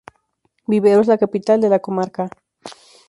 Vivero es la capital de la comarca.